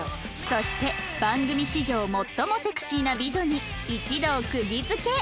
そして番組史上最もセクシーな美女に一同釘付け！